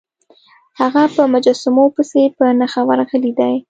هغه په مجسمو پسې په نښه ورغلی دی.